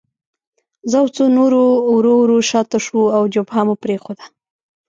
زه او څو نور ورو ورو شاته شوو او جبهه مو پرېښوده